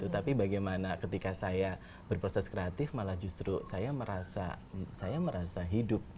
tapi bagaimana ketika saya berproses kreatif malah justru saya merasa hidup